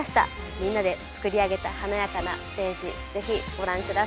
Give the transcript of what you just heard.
みんなで作り上げた華やかなステージ是非ご覧下さい。